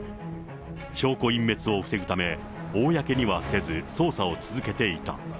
証拠隠滅を防ぐため公にはせず、捜査を続けていた。